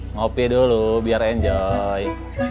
kopi dulu biar enjoy